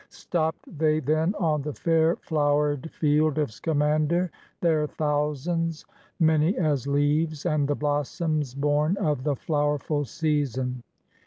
Stopped they then on the fair flower'd field of Scamander, their thousands Many as leaves and the blossoms born of the flowerful season.